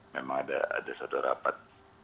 memang ada satu rapat